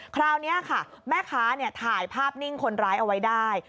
คราวนี้ค่ะแม่ค้าถ่ายภาพนิ่งคนร้ายเอาไว้ได้